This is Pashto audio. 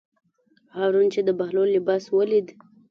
هارون چې د بهلول لباس ولید.